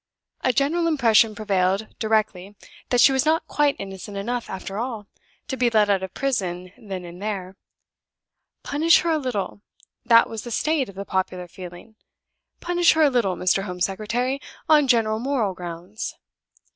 A general impression prevailed directly that she was not quite innocent enough, after all, to be let out of prison then and there! Punish her a little that was the state of the popular feeling punish her a little, Mr. Home Secretary, on general moral grounds.